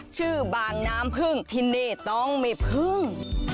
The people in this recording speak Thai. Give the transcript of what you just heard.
ชื่อบางน้ำเพลิงถิ่นนี้ต้องมีเพลิง